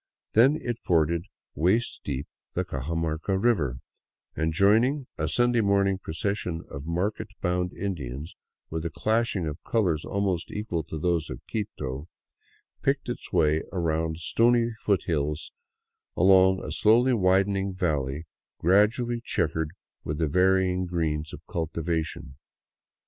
Then it forded waist deep the Caja marca river, and joining a Sunday morning procession of market bound Indians with a clashing of colors almost equal to those of Quito, picked its way around stony foothills along a slowly widening valley gradually checkered with the varying greens of cultivation.